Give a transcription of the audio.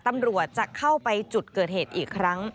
ตำรวจจะเข้าไปจุดเกิดเหตุอีกครั้ง